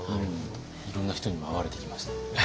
いろんな人にも会われてきました？